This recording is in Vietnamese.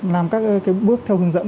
làm các bước theo hướng dẫn